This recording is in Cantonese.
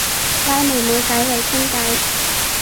拉妹妹仔嚟傾偈